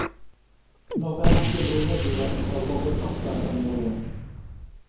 Nofel am Gymru heddiw a enillodd Wobr Goffa Daniel Owen.